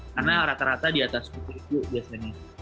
karena rata rata di atas seribu biasanya